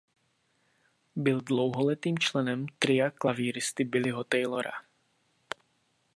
Byl dlouholetým členem tria klavíristy Billyho Taylora.